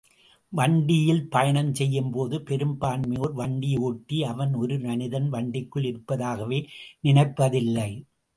வண்டியில் பயணம் செய்யும் போது—பெரும்பான்மையோர் வண்டியோட்டி—அவன் ஒரு மனிதன் வண்டிக்குள் இருப்பதாகவே நினைப்பதில்லை.